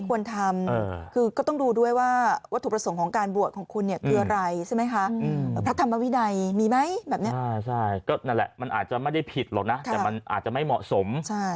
เพราะว่าการดูดเรื่องความเหมาะสม